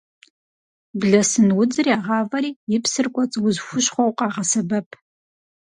Блэсын удзыр ягъавэри и псыр кӏуэцӏ уз хущхъуэу къагъэсэбэп.